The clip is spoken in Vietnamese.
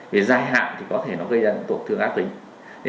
về dài hạng thì có thể nó gây ra tổn thương ác tính